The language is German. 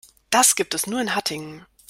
Das gibt es nur in Hattingen